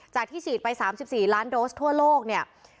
ที่ฉีดไป๓๔ล้านโดสทั่วโลกเนี่ย